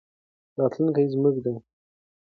راتلونکی زموږ دی.